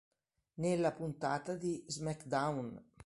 Nella puntata di "Smackdown!